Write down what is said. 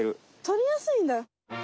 とりやすいんだ。